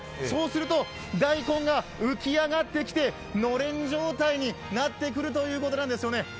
そうすると大根が浮き上がってきてのれん状態になってくるということなんですよね。